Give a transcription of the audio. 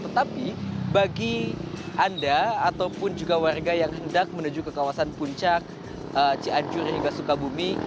tetapi bagi anda ataupun juga warga yang hendak menuju ke kawasan puncak cianjur hingga sukabumi